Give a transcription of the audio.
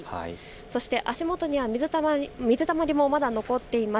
そして足元には水たまりもまだ残っています。